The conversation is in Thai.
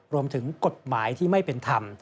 รวมถึงกฎหมายที่ไม่เป็นธรรม